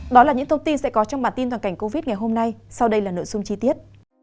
đó là những thông tin sẽ có trong bản tin toàn cảnh covid ngày hôm nay sau đây là nội dung chi tiết